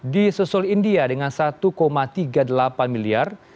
di susul india dengan satu tiga puluh delapan miliar